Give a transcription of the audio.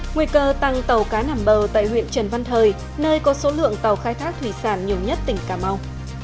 nguy cơ tăng tàu cá nằm bờ tại huyện trần văn thời nơi có số lượng tàu khai thác thủy sản nhiều nhất tỉnh cà mau